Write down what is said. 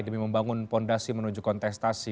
demi membangun fondasi menuju kontestasi